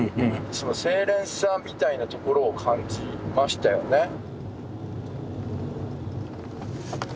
その清廉さみたいなところを感じましたよね。